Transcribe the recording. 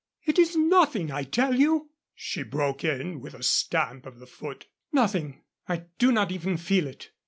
"It is nothing, I tell you," she broke in, with a stamp of the foot. "Nothing. I do not even feel it."